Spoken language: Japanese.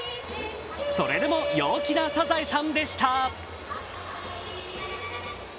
それでも陽気なサザエさんでした。